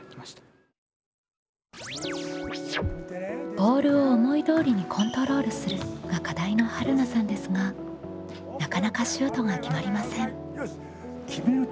「ボールを思い通りにコントロールする」が課題のはるなさんですがなかなかシュートが決まりません。